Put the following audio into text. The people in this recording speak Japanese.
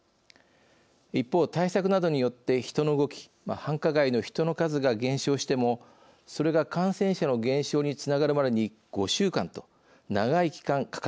一方対策などによって人の動き繁華街の人の数が減少してもそれが感染者の減少につながるまでに５週間と長い期間かかりました。